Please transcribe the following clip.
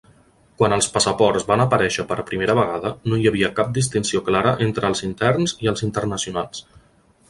Quan els passaports van aparèixer per primera vegada, no hi havia cap distinció clara entre els interns i els internacionals.